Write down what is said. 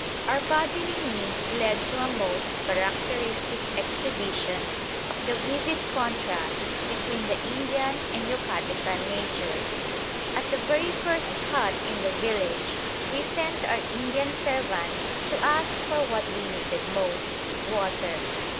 Our bodily needs led to a most characteristic exhibition of the vivid contrast between the Indian and Yucatecan natures. At the very first hut in the village we sent our Indian servant to ask for what we needed most water.